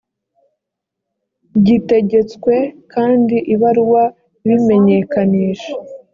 gitegetswe kandi ibaruwa ibimenyekanisha